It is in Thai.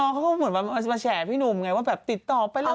เขาก็เหมือนจะมาแฉพี่หนุ่มไงว่าแบบติดต่อไปแล้ว